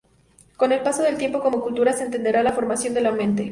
Con el paso del tiempo, como cultura se entenderá la formación de la mente.